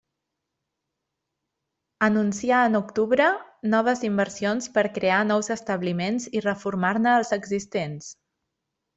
Anuncià en octubre noves inversions per a crear nous establiments i reformar-ne els existents.